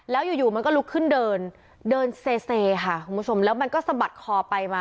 แล้วอยู่มันก็ลุกขึ้นเดินเดินเส้นแล้วมันก็สบัดคอไปค่ะ